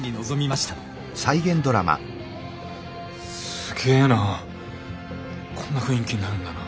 すげえなこんな雰囲気になるんだな。